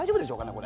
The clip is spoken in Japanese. これ。